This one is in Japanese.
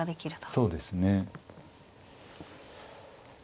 そうですね。